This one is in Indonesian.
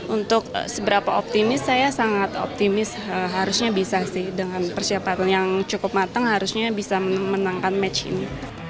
untuk seberapa optimis saya sangat optimis harusnya bisa sih dengan persiapan yang cukup matang harusnya bisa memenangkan match ini